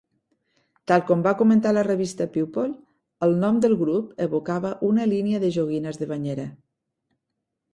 Tal com va comentar la revista "People", el nom del grup evocava "una línia de joguines de banyera".